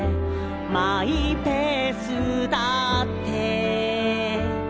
「マイペースだって」